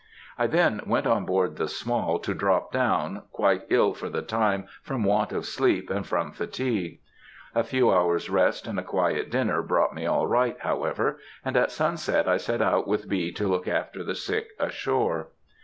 I then went on board the Small to drop down, quite ill for the time from want of sleep and from fatigue. A few hours' rest and a quiet dinner brought me all right, however, and at sunset I set out with B. to look after the sick ashore.